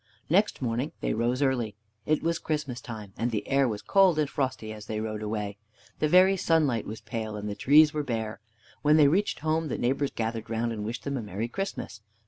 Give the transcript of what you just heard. Next morning they rose early. It was Christmas time, and the air was cold and frosty as they rode away. The very sunlight was pale, and the trees were bare. When they reached home the neighbors gathered round and wished them a Merry Christmas.